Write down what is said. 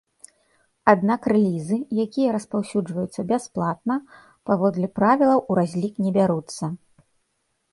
Аднак рэлізы, якія распаўсюджваюцца бясплатна, паводле правілаў у разлік не бяруцца.